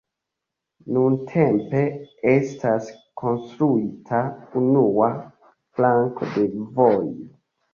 Nuntempe estas konstruata unua flanko de vojo.